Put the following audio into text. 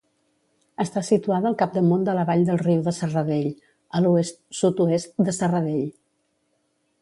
Està situada al capdamunt de la vall del riu de Serradell, a l'oest-sud-oest de Serradell.